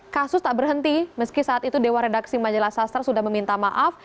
kasus tak berhenti meski saat itu dewan redaksi majalah sastra sudah meminta maaf